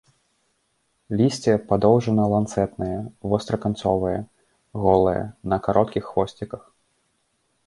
Лісце падоўжана-ланцэтнае, востраканцовае, голае, на кароткіх хвосціках.